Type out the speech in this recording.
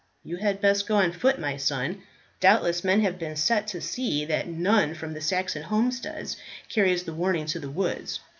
"You had best go on foot, my son. Doubtless men have been set to see that none from the Saxon homesteads carry the warning to the woods.